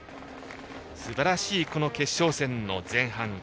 すばらしい決勝戦の前半。